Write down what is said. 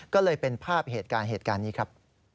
ก็เลยเป็นภาพเหตุการณ์นี้ครับ